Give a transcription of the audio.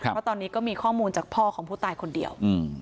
เพราะตอนนี้ก็มีข้อมูลจากพ่อของผู้ตายคนเดียว